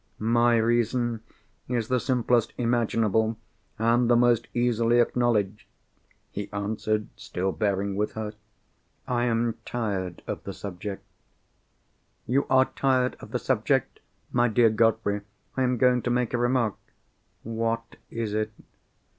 "My reason is the simplest imaginable, and the most easily acknowledged," he answered, still bearing with her. "I am tired of the subject." "You are tired of the subject? My dear Godfrey, I am going to make a remark." "What is it?"